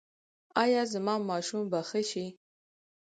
ایا زما ماشوم به ښه شي؟